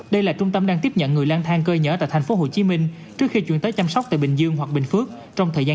đây là trung tâm đang tiếp nhận người lan thang cơ nhở